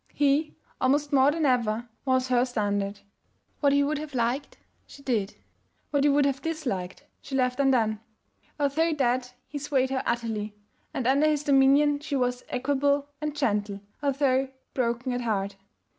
He, almost more than ever, was her standard. What he would have liked, she did; what he would have disliked, she left undone. Although dead, he swayed her utterly, and under his dominion she was equable and gentle, although broken at heart.